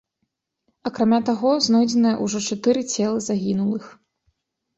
Акрамя таго, знойдзеныя ўжо чатыры целы загінулых.